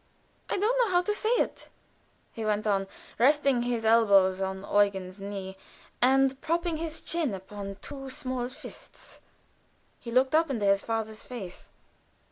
"I don't know how to say it," he went on, resting his elbows upon Eugen's knee, and propping his chin upon his two small fists, he looked up into his father's face.